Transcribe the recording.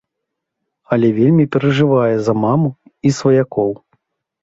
Але вельмі перажывае за маму і сваякоў.